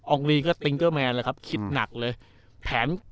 อองรีก็ทิ้งกร์แมนเลยอะครับคิดหนักเลย